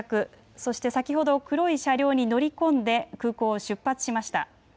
そして先ほど黒い車両に乗り込んで空港を出発しました。